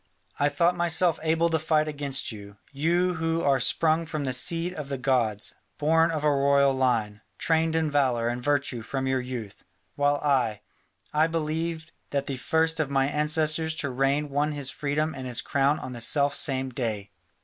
I thought myself able to fight against you, you who are sprung from the seed of the gods, born of a royal line, trained in valour and virtue from your youth, while I I believe that the first of my ancestors to reign won his freedom and his crown on the self same day.